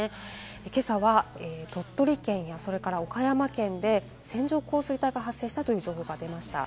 今朝は鳥取県や岡山県で線状降水帯が発生したという情報が出ました。